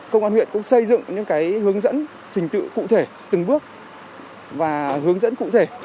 công an huyện cũng xây dựng những hướng dẫn trình tự cụ thể từng bước và hướng dẫn cụ thể